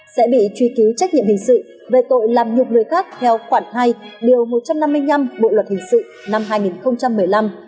sẽ bị truy cứu trách nhiệm hình sự về tội làm nhục người khác theo khoản hai điều một trăm năm mươi năm bộ luật hình sự năm hai nghìn một mươi năm